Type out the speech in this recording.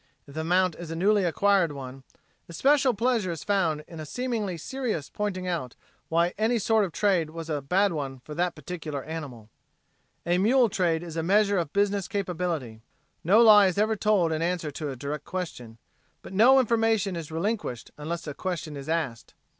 If the mount is a newly acquired one, especial pleasure is found in a seemingly serious pointing out why any sort of trade was a bad one for that particular animal. A mule trade is a measure of business capability. No lie is ever told in answer to a direct question, but no information is relinquished unless a question is asked.